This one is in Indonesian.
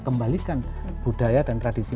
kembalikan budaya dan tradisi